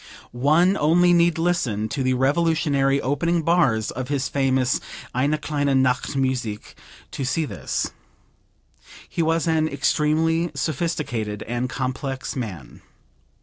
One need only listen to the revolutionary opening bars of his famous Eine Kleine Nachtmusik to see this. He was an extremely sophisticated and complex man.